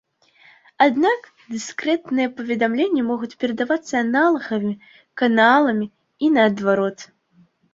Аднак, дыскрэтныя паведамленні могуць перадавацца аналагавымі каналамі і наадварот.